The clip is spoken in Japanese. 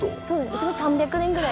うちも３００年ぐらい。